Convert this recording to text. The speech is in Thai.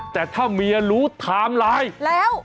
แต่ถ้าเมียรู้ถามไลน์